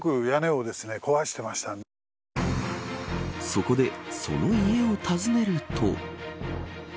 そこでその家を訪ねると。